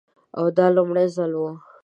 او دا لومړی ځل و.